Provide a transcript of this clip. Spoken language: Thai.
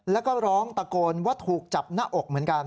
แล้วก็ร้องตะโกนว่าถูกจับหน้าอกเหมือนกัน